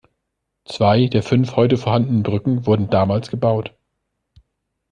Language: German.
Zwei der fünf heute vorhandenen Brücken wurden damals gebaut.